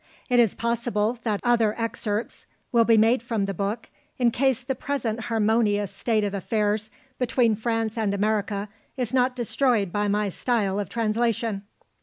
It is possible that other excerpts will be made from the book, in case the present harmonious state of affairs between France and America is not destroyed by my style of translation.